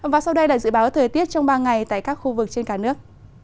và sau đây là dự báo thời tiết trong ba ngày tại các khu vực trên cả nước